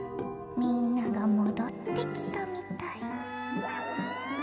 みんながもどってきたみたい。